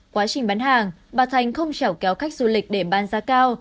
quá trình bán hàng bà thành không chảo kéo khách du lịch để ban giá cao